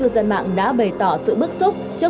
ta đi xe máy